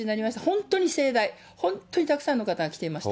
本当に盛大、本当にたくさんの方が来ていました。